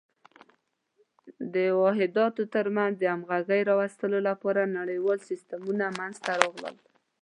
د واحداتو تر منځ د همغږۍ راوستلو لپاره نړیوال سیسټمونه منځته راغلل.